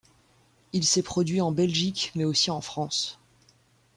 Il s'est produit en Belgique mais aussi en France.